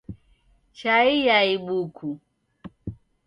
Chai ya ibuku